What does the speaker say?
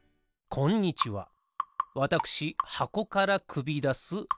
こんにちはわたくしはこからくびだす箱のすけ。